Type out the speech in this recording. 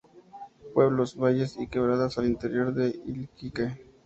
Pueblos, valles y quebradas al interior de Iquique.